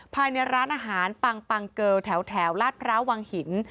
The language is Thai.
ภายในร้านอาหารปังปังเกิลแถวลาดพร้าววังหิน